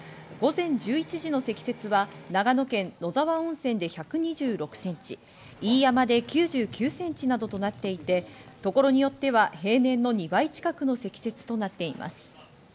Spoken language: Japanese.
午前１１時の積雪は長野県野沢温泉で１２６センチ、飯山で９９センチなどとなっていて、ところによっては平年の２倍近くの積雪となっています。